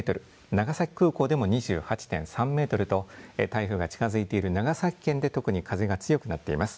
長崎空港でも２８．３メートルと台風が近づいている長崎県で特に風が強くなっています。